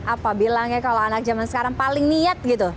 apa bilangnya kalau anak zaman sekarang paling niat gitu